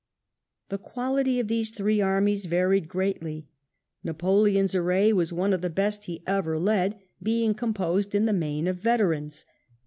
The quality of these three armies varied greatly. Napoleon's array was one of the best he ever led, being composed in the main of veterans.